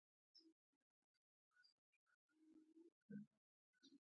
هندوکش د افغانستان د شنو سیمو ښکلا ده.